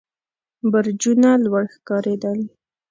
برجونه لوړ ښکارېدل.